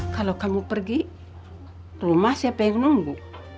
kalau kamu pergi rumah siapa yang nunggu